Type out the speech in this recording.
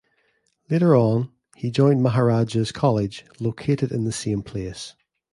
Later on, he joined Maharajah's College, located in the same place.